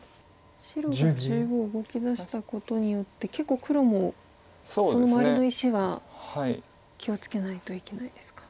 白が中央動きだしたことによって結構黒もその周りの石は気を付けないといけないですか。